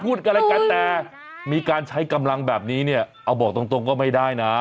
พูดอะไรกันแต่มีการใช้กำลังแบบนี้เนี่ยเอาบอกตรงตรงก็ไม่ได้นะ